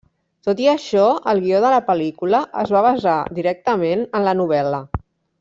Tot i això, el guió de la pel·lícula es va basar directament en la novel·la.